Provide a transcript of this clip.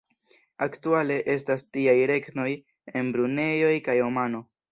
Aktuale estas tiaj regnoj en Brunejo kaj Omano.